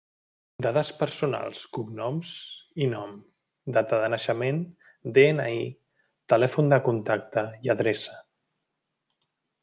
Dades personals: cognoms i nom, data de naixement, DNI, telèfon de contacte i adreça.